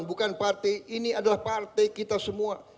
bukan partai ini adalah partai kita semua